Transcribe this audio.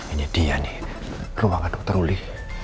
ini dia nih ruangan dokter ruli